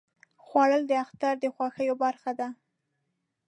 خوړل د اختر د خوښیو برخه ده